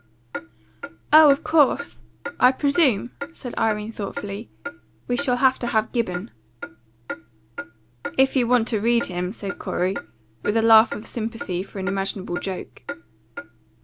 "Oh, of course! I presume," said Irene, thoughtfully, "we shall have to have Gibbon." "If you want to read him," said Corey, with a laugh of sympathy for an imaginable joke.